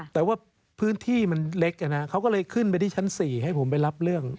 แต่ว่าพื้นที่มันเล็กเขาก็เลยขึ้นไปที่ชั้น๔ให้ผมไปรับเรื่อง